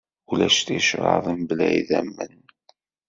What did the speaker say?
Ulac ticraḍ mebla idammen.